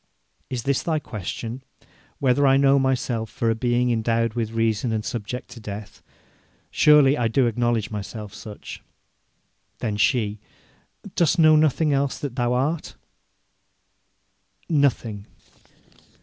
'Is this thy question: Whether I know myself for a being endowed with reason and subject to death? Surely I do acknowledge myself such.' Then she: 'Dost know nothing else that thou art?' 'Nothing.'